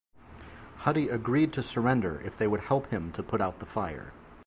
Huddy agreed to surrender if they would help him to put out the fire.